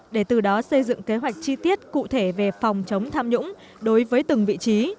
để từ đó xây dựng kế hoạch chi tiết cụ thể về phòng chống tham nhũng đối với từng vị trí